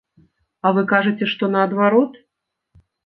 А вы кажаце, што наадварот?